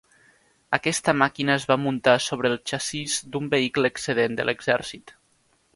Aquesta màquina es va muntar sobre el xassís d'un vehicle excedent de l'exèrcit.